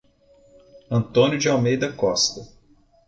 Antônio de Almeida Costa